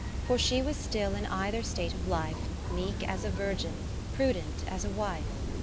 For she was still in eitherstate of life, Meek as a virgin, prudent as a wife.